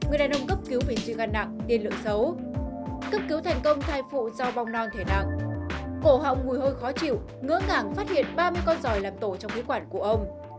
ổ hỏng ngùi hơi khó chịu ngỡ ngàng phát hiện ba mươi con dòi làm tổ trong khí quản của ông